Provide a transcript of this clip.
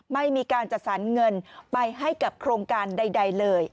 ไม่มีการจัดสรรเงินไปให้กับโครงการใดเลย